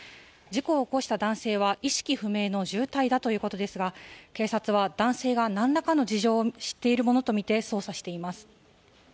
事故を起こした男性は意識不明の重体だということですが警察は、男性が何らかの事情を知っているものとみて捜査しています。